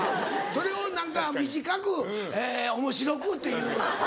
それを短く面白くっていうのを。